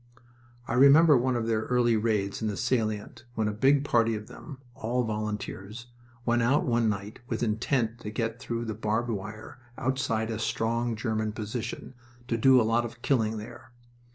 I remember one of their early raids in the salient, when a big party of them all volunteers went out one night with intent to get through the barbed wire outside a strong German position, to do a lot of killing there.